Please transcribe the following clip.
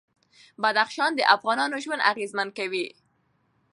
بدخشان د افغانانو ژوند اغېزمن کوي.